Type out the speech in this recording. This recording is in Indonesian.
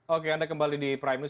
oke anda kembali di prime news